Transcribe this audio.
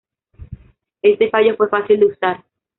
Este fallo fue fácil de usar.